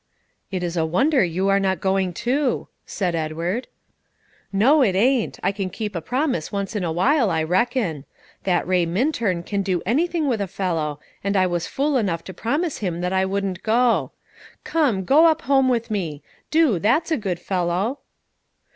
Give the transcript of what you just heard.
"It is a wonder you are not going too," said Edward. "No, it ain't. I can keep a promise once in a while, I reckon. That Ray Minturn can do anything with a fellow, and I was fool enough to promise him that I wouldn't go. Come, go up home with me; do, that's a good fellow!"